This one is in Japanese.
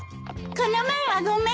この前はごめんね。